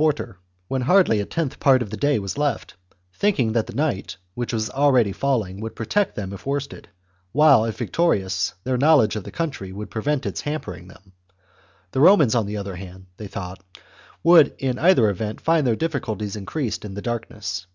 quarter, when hardly a tenth part of the day was left, thinking that the night, which was already falling, would protect them if worsted, while, if victorious, their knowledge of the country would prevent its hampering them ; the Romans, on the other hand, they thought, would in either event find their diffi culties increased in the darkness.